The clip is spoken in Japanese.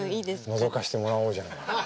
のぞかしてもらおうじゃない。